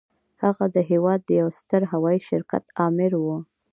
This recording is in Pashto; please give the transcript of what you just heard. هغه د هېواد د يوه ستر هوايي شرکت آمر و.